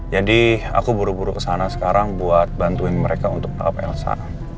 jadi aku buru buru kesana sekarang buat bantuin mereka untuk nangkep elsa